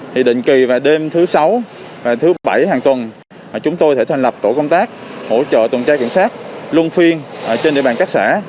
thì định kỳ vào đêm thứ sáu và thứ bảy hàng tuần chúng tôi sẽ thành lập tổ công tác hỗ trợ tuần tra kiểm soát luôn phiên trên địa bàn các xã